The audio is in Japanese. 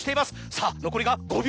さぁ残りが５秒。